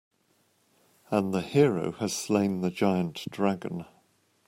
And the hero has slain the giant dragon.